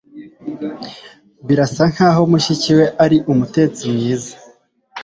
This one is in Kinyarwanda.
Birasa nkaho mushiki we ari umutetsi mwiza.